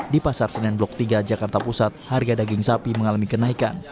di pasar senen blok tiga jakarta pusat harga daging sapi mengalami kenaikan